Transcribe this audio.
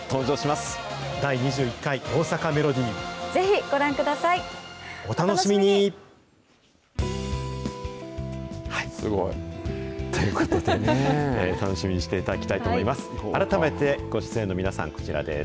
すごい。ということでね、楽しみにしていただきたいと思います。